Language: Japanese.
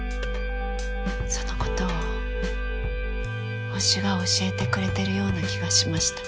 そのことを星が教えてくれてるような気がしました。